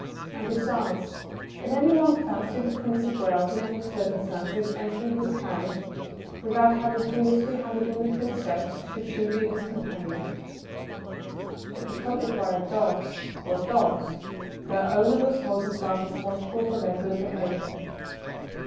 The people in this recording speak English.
And besides, can any one fancy the Prince of Wales in any circumstances entering his carriage without having previously handed in the Princess, should she be his companion? [Sidenote: When accompanied by dogs.] If accompanied by a dog, or dogs, their owner must hold himself responsible for their good behaviour.